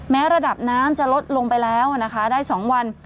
ระดับน้ำจะลดลงไปแล้วนะคะได้๒วัน